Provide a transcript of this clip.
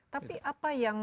tapi apa yang